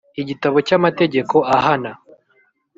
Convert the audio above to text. Igitabo cy Amategeko Ahana.